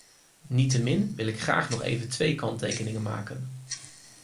Niettemin wil ik graag nog even twee kanttekeningen maken.